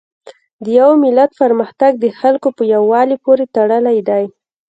د یو ملت پرمختګ د خلکو په یووالي پورې تړلی دی.